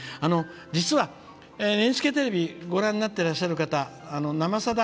実は、ＮＨＫテレビご覧になってらっしゃる方「生さだ」